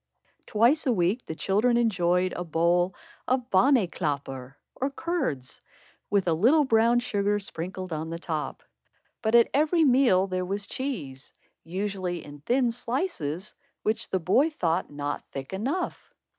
Twice a week the children enjoyed a bowl of bonnyclabber or curds, with a little brown sugar sprinkled on the top. But at every meal there was cheese, usually in thin slices, which the boy thought not thick enough.